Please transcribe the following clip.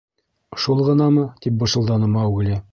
— Шул ғынамы? — тип бышылданы Маугли.